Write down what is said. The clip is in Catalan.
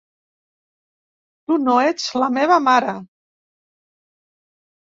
Tu no ets la meva mare!